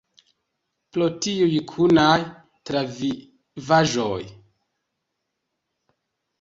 Pro tiuj kunaj travivaĵoj.